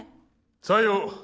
さよう。